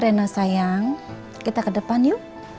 rena sayang kita ke depan yuk